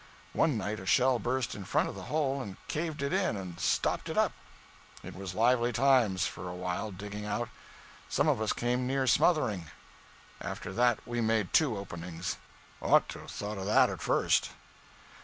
One night a shell burst in front of the hole and caved it in and stopped it up. It was lively times, for a while, digging out. Some of us came near smothering. After that we made two openings ought to have thought of it at first.